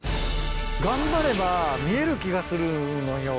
頑張れば見える気がするのよ。